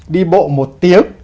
đi bộ một tiếng